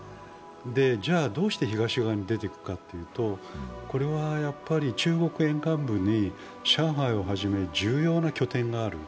ではどうして東側に出ていくかというと中国沿岸部に上海をはじめ重要な拠点がある。